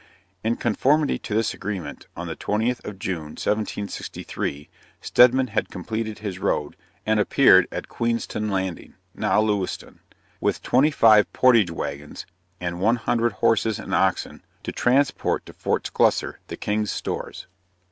In conformity to this agreement, on the 20th of June, 1763, Stedman had completed his road, and appeared at Queenston Landing, (now Lewiston,) with twenty five portage wagons, and one hundred horses and oxen, to transport to Fort Sclusser the king's stores.